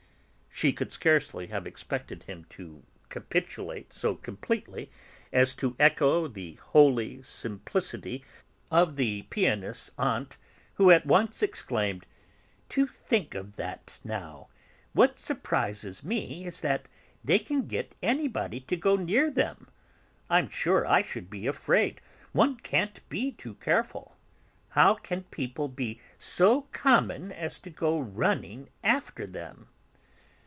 She could scarcely have expected him to capitulate so completely as to echo the holy simplicity of the pianist's aunt, who at once exclaimed: "To think of that, now! What surprises me is that they can get anybody to go near them; I'm sure I should be afraid; one can't be too careful. How can people be so common as to go running after them?"